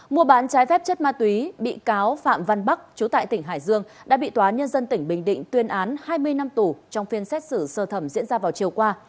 mua bán trái phép chất ma túy bị cáo phạm văn bắc chú tại tỉnh hải dương đã bị tòa nhân dân tỉnh bình định tuyên án hai mươi năm tù trong phiên xét xử sơ thẩm diễn ra vào chiều qua